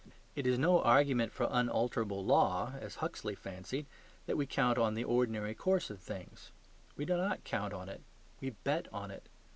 It is no argument for unalterable law (as Huxley fancied) that we count on the ordinary course of things. We do not count on it; we bet on it.